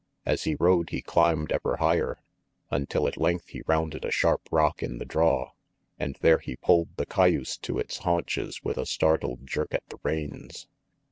As he rode he climbed ever higher, until at length he rounded a sharp rock in the draw, and there he pulled the cayuse to its haunches with a startled jerk at the reins.